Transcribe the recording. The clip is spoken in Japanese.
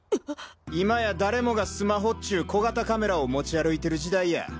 今や誰もがスマホっちゅう小型カメラを持ち歩いてる時代や。